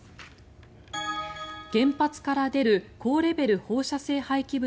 原発から出る高レベル放射性廃棄物